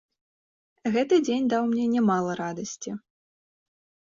Гэты дзень даў мне нямала радасці.